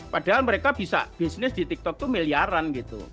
padahal mereka bisa bisnis di tiktok itu miliaran gitu